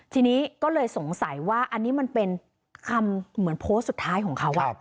ทีนี้ก็เลยสงสัยว่าอันนี้มันเป็นคำเหมือนโพสต์สุดท้ายของเขา